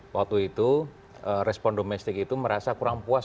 waktu itu respon domestik itu merasa kurang puas